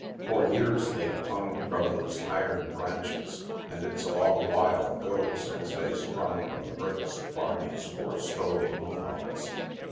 For years they have hung from those iron branches, and it's a long while ago since they sprung from the bricks of Barney's four story Loan office.